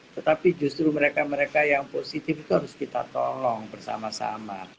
tetapi justru mereka mereka yang positif itu harus kita tolong bersama sama